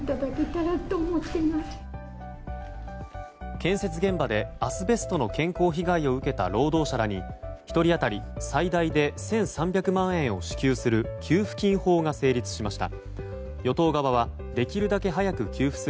建設現場でアスベストの健康被害を受けた労働者らに１人当たり最大で１３００万円を支給する給付金法が成立しました。